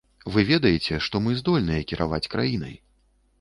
Вы ведаеце, што мы здольныя кіраваць краінай.